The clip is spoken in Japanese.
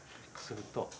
すると。